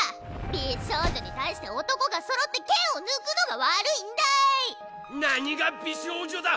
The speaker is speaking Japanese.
美少女に対して男がそろって剣を抜く何が美少女だ！